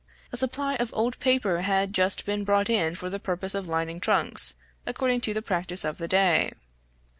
A supply of old paper had just been brought in for the purpose of lining trunks, according to the practice of the day.